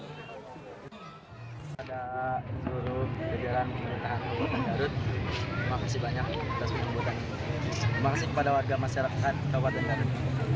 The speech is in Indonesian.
pada seluruh pemerintahan kabupaten garut terima kasih banyak terima kasih kepada warga masyarakat kabupaten garut